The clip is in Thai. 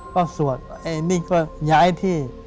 ก็สวดไอ้นี่ก็ย้ายที่